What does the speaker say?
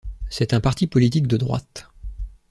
C'est un parti politique de droite.